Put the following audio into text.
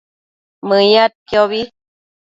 Mëyadquiobi